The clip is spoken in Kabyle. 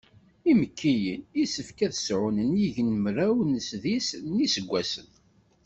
Imekkiyen, yessefk ad sɛun nnig n mraw d sḍis n yiseggasen.